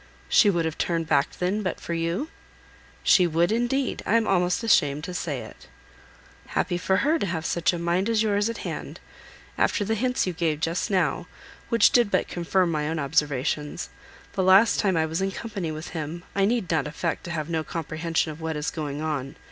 "She would have turned back then, but for you?" "She would indeed. I am almost ashamed to say it." "Happy for her, to have such a mind as yours at hand! After the hints you gave just now, which did but confirm my own observations, the last time I was in company with him, I need not affect to have no comprehension of what is going on.